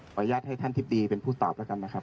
อนุญาตให้ท่านทิบดีเป็นผู้ตอบแล้วกันนะครับ